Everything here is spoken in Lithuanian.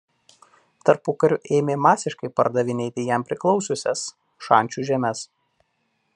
Tarpukariu ėmė masiškai pardavinėti jam priklausiusias Šančių žemes.